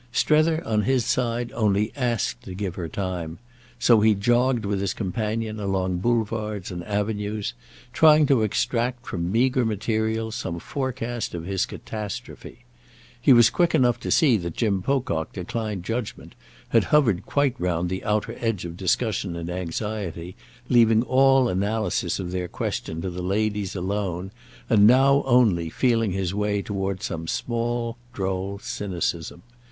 Strether, on his side, only asked to give her time; so he jogged with his companion along boulevards and avenues, trying to extract from meagre material some forecast of his catastrophe. He was quick enough to see that Jim Pocock declined judgement, had hovered quite round the outer edge of discussion and anxiety, leaving all analysis of their question to the ladies alone and now only feeling his way toward some small droll cynicism.